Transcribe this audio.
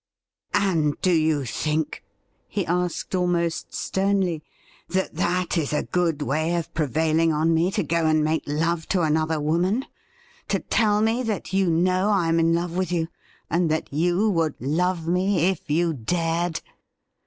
' And do you think,' he asked almost sternly, ' that that is a good way of prevailing on me to go and make love to another woman — to tell me that you know I am in love with you, and that you would love me if you dared